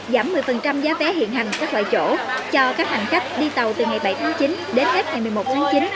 giảm một mươi giá vé hiện hành các loại chỗ cho các hành khách đi tàu từ ngày bảy tháng chín đến hết ngày một mươi một tháng chín